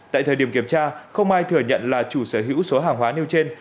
tại thời điểm kiểm tra không ai thừa nhận là chủ sở hữu số hàng hóa nêu trên